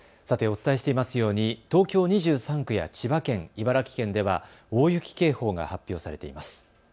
さてお伝えしていますように東京２３区や千葉県、茨城県では大雪警報が発表されています。